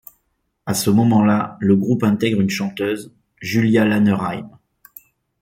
À ce moment-là, le groupe intègre une chanteuse, Julia Lannerheim.